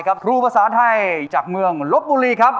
ครูภาษาไทยจากเมืองลบบุรีครับ